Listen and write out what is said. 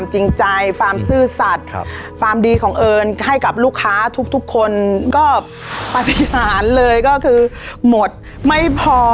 ให้กับลูกค้าทุกคนก็ปรัฐยาลเลยก็คือหมดไม่พอ